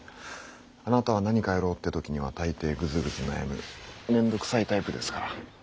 あなたは何かやろうって時には大抵グズグズ悩む面倒くさいタイプですから。